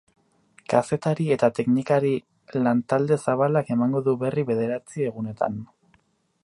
Kazetari eta teknikari lantalde zabalak emango du berri bederatzi egunetan.